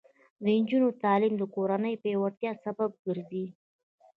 د نجونو تعلیم د کورنۍ پیاوړتیا سبب ګرځي.